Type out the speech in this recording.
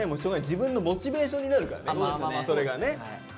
自分のモチベーションになるからねそれがね。